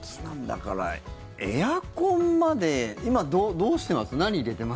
だから、エアコンまで今どうしてます？